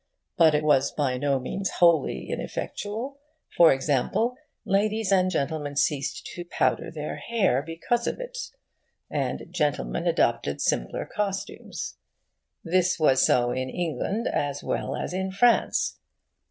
But it was by no means wholly ineffectual. For example, ladies and gentlemen ceased to powder their hair, because of it; and gentlemen adopted simpler costumes. This was so in England as well as in France.